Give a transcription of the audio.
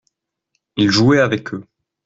Il jouait avec eux.